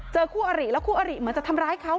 คู่อริแล้วคู่อริเหมือนจะทำร้ายเขา